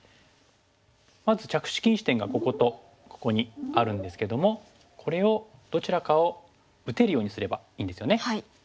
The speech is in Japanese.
まず着手禁止点がこことここにあるんですけどもこれをどちらかを打てるようにすればいいんですよね。